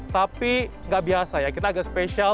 tapi nggak biasa ya kita agak spesial